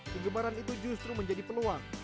kegemaran itu justru menjadi peluang